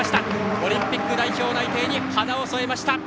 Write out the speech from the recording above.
オリンピック代表内定に花を添えました！